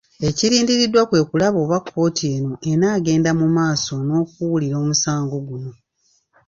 Ekirindiriddwa kwe kulaba oba kkooti eno enaagenda mu maaso n’okuwulira omusango guno.